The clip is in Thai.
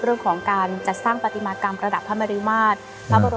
เรื่องของการจัดสร้างปฏิมากรรมระดับพระเมริมาตร